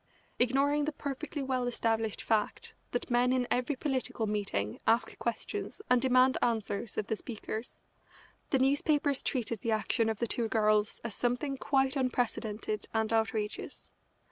Ignoring the perfectly well established fact that men in every political meeting ask questions and demand answers of the speakers, the newspapers treated the action of the two girls as something quite unprecedented and outrageous.